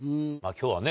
今日はね